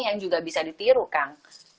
yang juga bisa ditiru kang